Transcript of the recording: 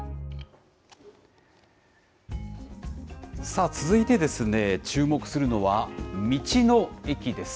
さあ、続いて注目するのは、道の駅です。